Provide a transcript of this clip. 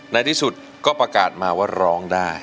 ในที่สุดก็ประกาศมาว่าร้องได้